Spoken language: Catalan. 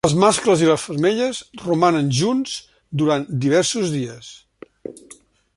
Els mascles i les femelles romanen junts durant diversos dies.